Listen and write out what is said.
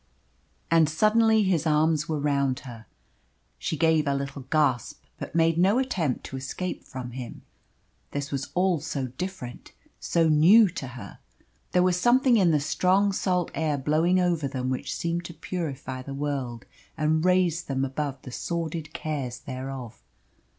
And suddenly his arms were round her. She gave a little gasp, but made no attempt to escape from him. This was all so different, so new to her. There was something in the strong salt air blowing over them which seemed to purify the world and raise them above the sordid cares thereof.